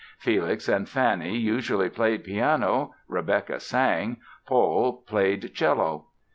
Felix and Fanny usually played piano, Rebecka sang, Paul played cello.